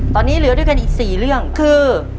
ตอนนี้เหลือด้วยกันอีก๔เรื่องคือ